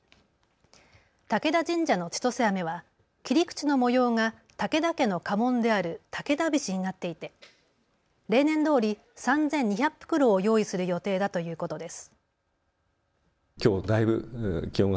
武田神社のちとせあめは切り口の模様が武田家の家紋である武田菱になっていて例年どおり３２００袋を用意する予定だということです。